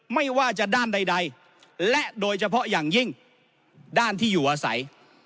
ไม่ว่าจะด้านใดและโดยเฉพาะอย่างยิ่งด้านที่อยู่อาศัย